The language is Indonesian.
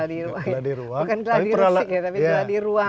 bukan geladi bersih ya tapi geladi ruang